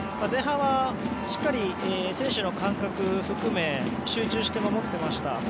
前半はしっかり選手の感覚を含めて集中して守ってました。